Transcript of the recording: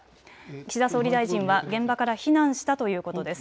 岸田総理大臣は現場から避難したということです。